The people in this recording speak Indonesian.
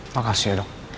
makasih ya dok